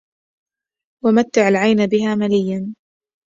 ومتِّع العين بها مَليَّا